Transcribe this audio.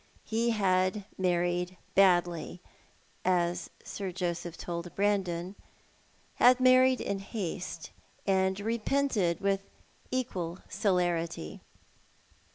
He had married badly, as Sir Joseph told Brandon ; had married in haste and repented with equal celerity.